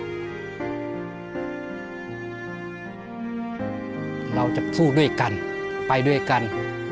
เราจะสู้ด้วยกันไปด้วยกัน